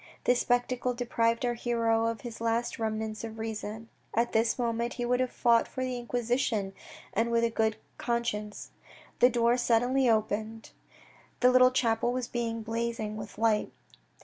This spectacle deprived our hero of his last remnants of reason. At this moment he would have fought for the Inquisition, and with a good conscience. The door suddenly opened. The little chapel was blazing with light.